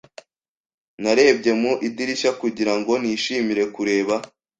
Narebye mu idirishya kugira ngo nishimire kureba.